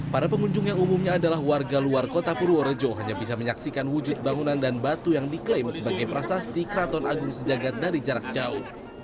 para pengunjung yang umumnya adalah warga luar kota purworejo hanya bisa menyaksikan wujud bangunan dan batu yang diklaim sebagai prasasti keraton agung sejagat dari jarak jauh